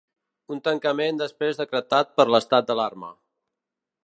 Un tancament després decretat per l’estat d’alarma.